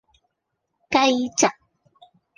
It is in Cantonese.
雞扎